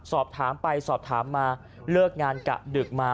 สอบถามไปสอบถามมาเลิกงานกะดึกมา